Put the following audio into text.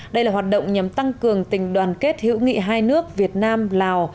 đây là hoạt động nhằm tăng cường tình đoàn kết hữu nghị hai nước việt nam lào